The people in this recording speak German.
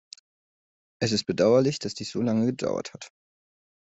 Es ist bedauerlich, dass dies so lange gedauert hat.